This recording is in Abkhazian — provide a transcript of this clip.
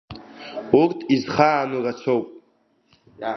Урҭ изхаану рацәоуп…